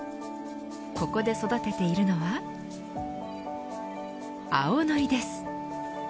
ここで育てているのはアオノリです。